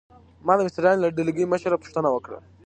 ما د مستریانو له ډلګۍ مشره پوښتنه وکړه.